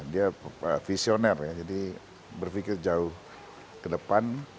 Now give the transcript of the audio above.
dia visioner ya jadi berpikir jauh ke depan